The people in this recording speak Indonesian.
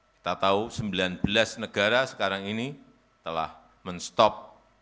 kita tahu sembilan belas negara sekarang ini telah men stop